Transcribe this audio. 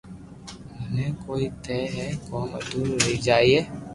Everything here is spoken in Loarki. ھي ڪوئي ني ھين ڪوم ادھورو رئي جائي